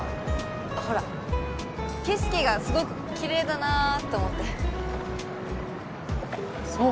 ほら景色がすごくキレイだなと思ってそう？